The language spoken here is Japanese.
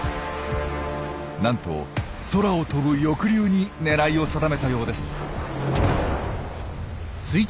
なんと空を飛ぶ翼竜に狙いを定めたようです。